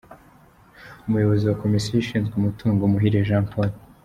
Umuyobozi wa Komisiyo ishinzwe Umutungo: Muhire Jean Paul.